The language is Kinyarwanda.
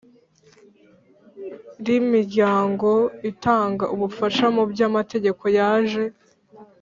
rImiryango itanga Ubufasha mu by Amategeko yaje